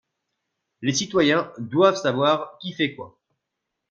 Les citoyens doivent savoir qui fait quoi